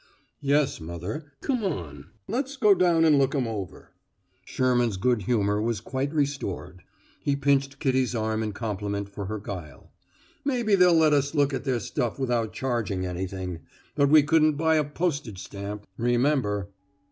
"Yes, mother. Come on, let's go down and look 'em over." Sherman's good humor was quite restored. He pinched Kitty's arm in compliment for her guile. "Maybe they'll let us look at their stuff without charging anything; but we couldn't buy a postage stamp, remember."